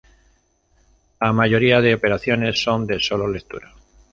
La mayoría de operaciones son de solo lectura.